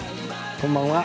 こんばんは。